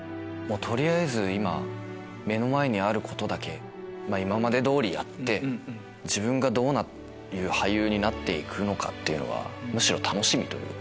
取りあえず今目の前にあることだけ今まで通りやって自分がどういう俳優になって行くのかむしろ楽しみ。